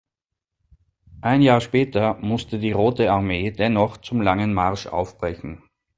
Ein Jahr später musste die Rote Armee dennoch zum Langen Marsch aufbrechen.